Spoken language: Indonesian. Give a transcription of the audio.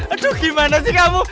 aduh gimana sih kamu